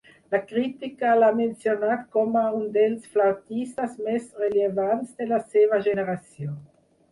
La crítica l'ha mencionat com a un dels flautistes més rellevants de la seva generació.